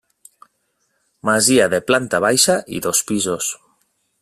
Masia de planta baixa i dos pisos.